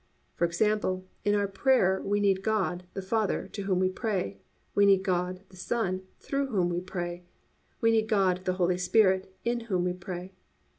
For example, in our prayer we need God, the Father, to Whom we pray, we need God, the Son, through Whom we pray, and we need God, the Holy Spirit, in Whom we pray.